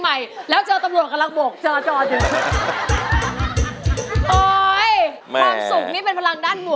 ไม่ซ้ำกันกันตอนแรกเลย